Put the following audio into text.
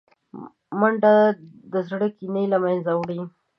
منډه د زړه کینې له منځه وړي